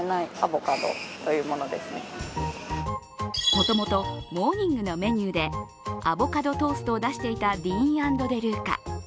もともとモーニングのメニューでアボカドトーストを出していたディーン＆デルーカ。